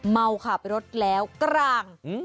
เมาค่ะไปรถแล้วกราง